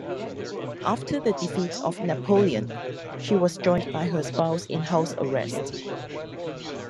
After the defeat of Napoleon, she was joined by her spouse in house arrest.